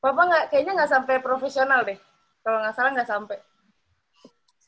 papa kayaknya gak sampe profesional deh